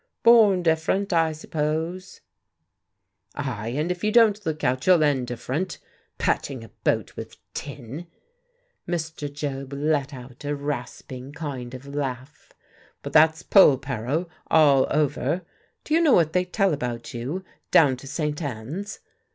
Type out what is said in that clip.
"Born different, I suppose." "Ay, and if you don't look out you'll end different. Patching a boat with tin!" Mr. Job let out a rasping kind of laugh. "But that's Polperro, all over. Do you know what they tell about you, down to St. Ann's?"